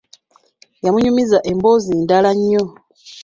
Yamunyumiza emboozi ndala nnyo.